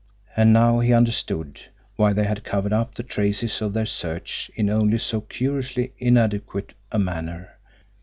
And now he understood why they had covered up the traces of their search in only so curiously inadequate a manner.